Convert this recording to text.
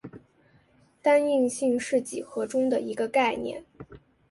单应性是几何中的一个概念。